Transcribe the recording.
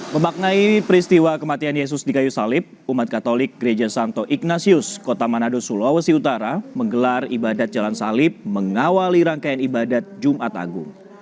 memaknai peristiwa kematian yesus di kayu salib umat katolik gereja santo ignasius kota manado sulawesi utara menggelar ibadat jalan salib mengawali rangkaian ibadat jumat agung